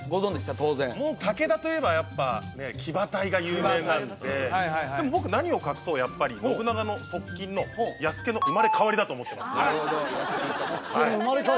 当然もう武田といえばやっぱ騎馬隊が有名なんででも僕何を隠そうやっぱり信長の側近の弥助の生まれ変わりだと思ってますので弥助の生まれ変わり？